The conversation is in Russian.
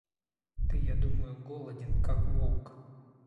Ты, я думаю, голоден, как волк.